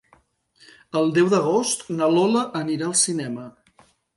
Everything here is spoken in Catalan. El deu d'agost na Lola anirà al cinema.